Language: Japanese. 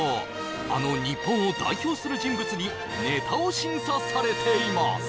あの日本を代表する人物にネタを審査されています